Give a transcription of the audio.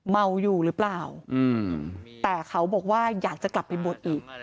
เมาอยู่หรือเปล่าแต่เขาบอกว่าอยากจะกลับไปบวชอีก